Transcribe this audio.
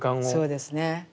そうですね。